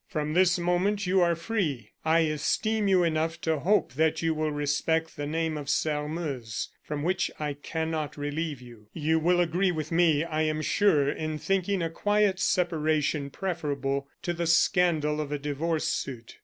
"From this moment you are free. I esteem you enough to hope that you will respect the name of Sairmeuse, from which I cannot relieve you. "You will agree with me, I am sure, in thinking a quiet separation preferable to the scandal of a divorce suit.